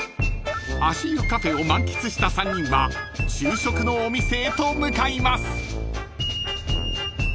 ［足湯カフェを満喫した３人は昼食のお店へと向かいます］